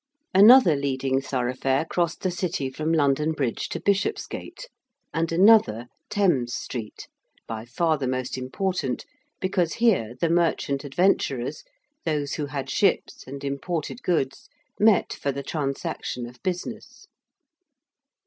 Another leading thoroughfare crossed the City from London Bridge to Bishopsgate, and another, Thames Street, by far the most important, because here the merchant adventurers those who had ships and imported goods met for the transaction of business.